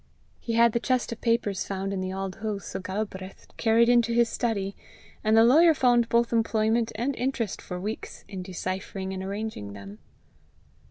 He had the chest of papers found in the Auld Hoose o' Galbraith carried into his study, and the lawyer found both employment and interest for weeks in deciphering and arranging them.